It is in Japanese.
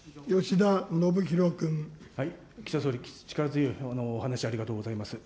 岸田総理、力強いお話ありがとうございます。